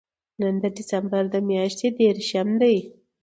نن د دېسمبر میاشتې درېرشم دی